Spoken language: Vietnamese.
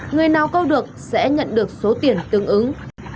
người nào câu được sẽ nhận được số tiền tương ứng